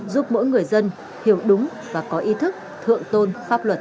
giúp mỗi người dân hiểu đúng và có ý thức thượng tôn pháp luật